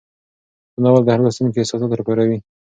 دا ناول د هر لوستونکي احساسات راپاروي.